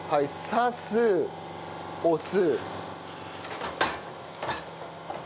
刺す押す。